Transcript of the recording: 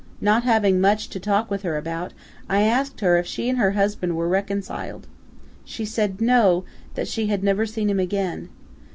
Not having much to talk with her about, I asked her if she and her husband were reconciled. She said no, that she had never seen him again.